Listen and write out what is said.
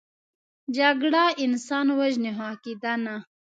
جګړه انسان وژني، خو عقیده نه